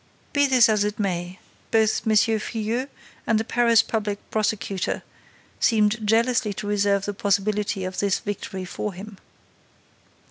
Be this as it may, both M. Filleul and the Paris public prosecutor seemed jealously to reserve the possibility of this victory for him.